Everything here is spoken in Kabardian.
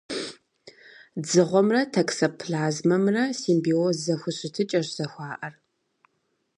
Дзыгъуэмрэ токсоплазмэмрэ симбиоз зэхущытыкӏэщ зэхуаӏэр.